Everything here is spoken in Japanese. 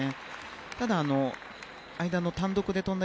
ただ、間の単独で跳んだ